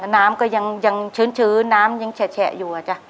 น้ำก็ยังชื้นน้ำยังแฉะอยู่อะจ๊ะ